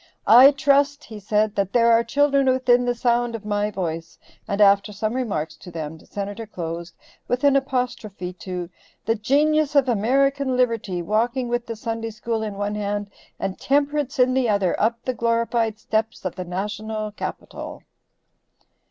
"I trust," he said, "that there are children within the sound of my voice," and after some remarks to them, the Senator closed with an apostrophe to "the genius of American Liberty, walking with the Sunday School in one hand and Temperance in the other up the glorified steps of the National Capitol."